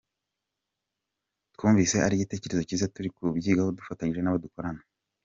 Twumvise ari igitekerezo cyiza, turi kubyigaho dufatanyije n’abo dukorana.